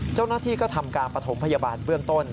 เจ้านาธิก็ทำการประถมพยาบาลเบื้องต้น